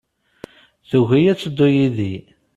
Tugi ad teddu yid-i.